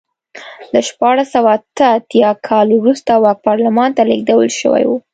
له شپاړس سوه اته اتیا کال وروسته واک پارلمان ته لېږدول شوی و.